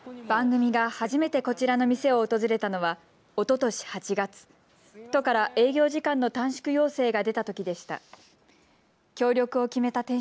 番組が初めてこちらの店を訪れたのはおととし８月、都から営業時間の短縮要請が出たときでした。